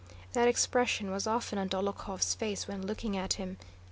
That expression was often on Dólokhov's face when looking at him.